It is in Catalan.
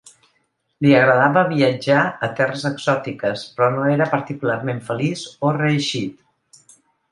Li agradava viatjar a terres exòtiques, però no era particularment feliç o reeixit.